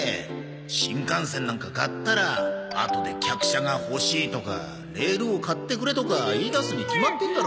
新幹線なんか買ったらあとで客車が欲しいとかレールを買ってくれとか言い出すに決まってんだろ。